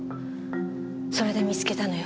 それで見つけたのよ